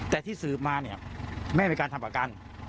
แต่ที่สืบมาเนี่ยแม่เป็นการทำประกัน